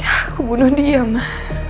aku bunuh dia ma